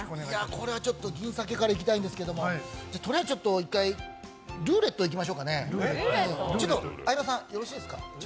これは銀鮭からいきたいんですけれども、とりあえずちょっと１回ルーレットいきましょうかね、相葉さん、よろしいですか？